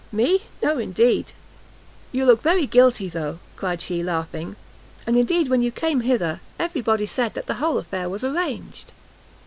"Me? no, indeed!" "You look very guilty, though," cried she laughing, "and indeed when you came hither, every body said that the whole affair was arranged."